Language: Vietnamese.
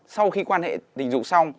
sau khi quan hệ tình dụng xong